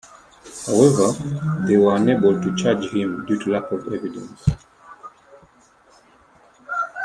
However, they were unable to charge him due to lack of evidence.